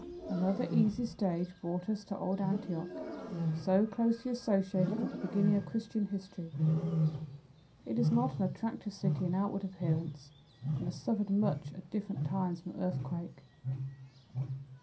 Another easy stage brought us to old Antioch, so closely associated with the beginning of Christian history. It is not an attractive city in outward appearance and has suffered much at different times from earthquake.